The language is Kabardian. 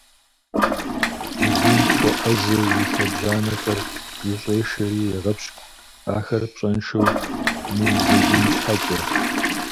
Джэдум хуэӏэзэу и лъэбжьанэхэр зэщӏешэри егъэпщкӏу, ахэр пщӏэншэу мыудзэгун щхьэкӏэ.